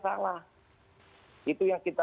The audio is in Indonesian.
salah itu yang kita